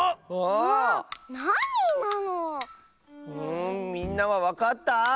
んみんなはわかった？